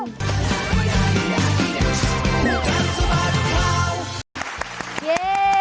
เย้